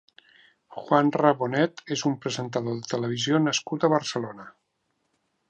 Juanra Bonet és un presentador de televisió nascut a Barcelona.